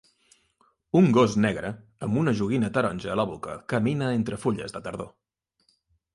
Un gos negre amb una joguina taronja a la boca camina entre fulles de tardor.